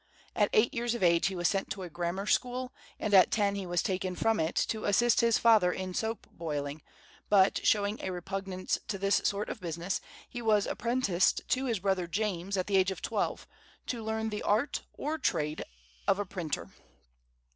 At eight years of age he was sent to a grammar school, and at ten he was taken from it to assist his father in soap boiling; but, showing a repugnance to this sort of business, he was apprenticed to his brother James at the age of twelve, to learn the art, or trade, of a printer.